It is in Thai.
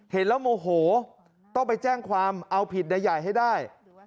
เห็นแล้วโมโหต้องไปแจ้งความเอาผิดนายใหญ่ให้ได้